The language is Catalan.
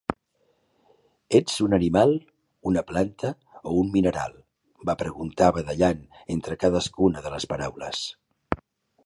"Ets un animal, una planta o un mineral"? va preguntar, badallant entre cadascuna de les paraules.